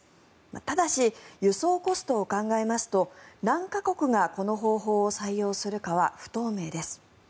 ただし、輸送コストを考えますと何か国がこの方法を採用するかは不透明です。